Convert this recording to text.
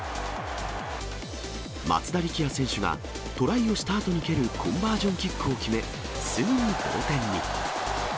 松田力也選手がトライをしたあとに蹴るコンバージョンキックを決め、すぐに同点に。